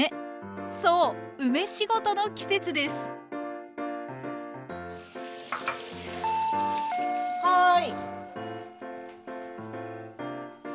そう「梅仕事」の季節です・はい。